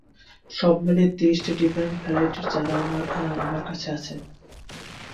সব মিলিয়ে ত্রিশটি ডিফারেন্ট ভেরাইটির চারা আমার কাছে আছে।